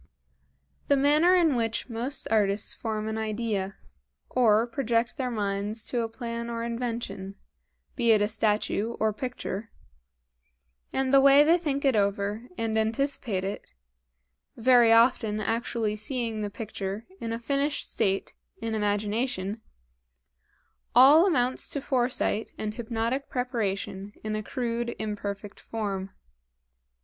The manner in which most artists form an idea, or project their minds to a plan or invention, be it a statue or picture; and the way they think it over and anticipate it very often actually seeing the picture in a finished state in imagination all amounts to foresight and hypnotic preparation in a crude, imperfect form.